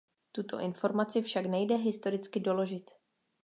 Tuto informaci však nejde historicky doložit.